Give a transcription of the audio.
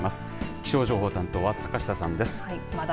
気象情報担当は坂下さんです。